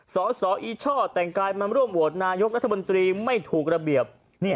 สอสออีช่อแต่งกายมาร่วมโหวตนายกรัฐมนตรีไม่ถูกระเบียบ